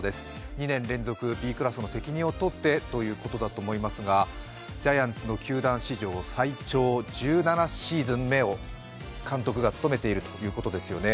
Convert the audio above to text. ２年連続Ｂクラスの責任を取ってということだと思いますがジャイアンツの球団史上最長１７シーズン監督を務めているということですね。